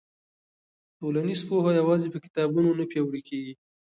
ټولنیز پوهه یوازې په کتابونو نه پیاوړې کېږي.